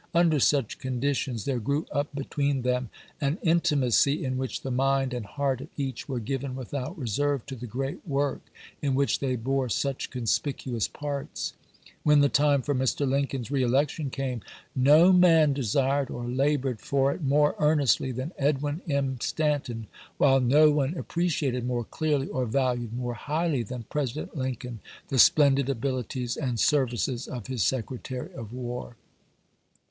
Under such conditions there grew up be tween them an intimacy in which the mind and heart of each were given without reserve to the great work in which they bore such conspicuous parts. ^Tien the time for Mr. Lincoln's reelection came, no man desired or labored for it more ear nestly than Edwin M. Stantou, while no one appre ciated more clearly or valued more highly than President Lincoln the splendid abilities and ser vices of his Secretary of War.